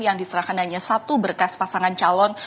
yang diserahkan hanya satu berkas pasangan calon